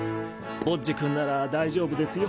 ボッジ君なら大丈夫ですよ。